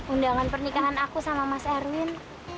undangan pernikahan aku sama mas erwin